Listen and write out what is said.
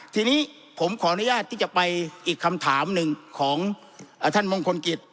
ทีนี้ผมขออนุญาตที่จะไปอีกคำถามหนึ่งของท่านมงคลกิจ